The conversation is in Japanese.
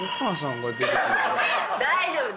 大丈夫。